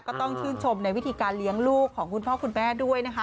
ก็ต้องชื่นชมในวิธีการเลี้ยงลูกของคุณพ่อคุณแม่ด้วยนะคะ